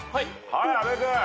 はい阿部君。